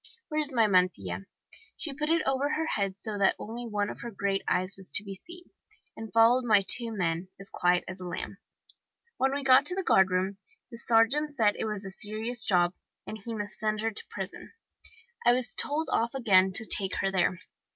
Where is my mantilla?' She put it over her head so that only one of her great eyes was to be seen, and followed my two men, as quiet as a lamb. When we got to the guardroom the sergeant said it was a serious job, and he must send her to prison. I was told off again to take her there.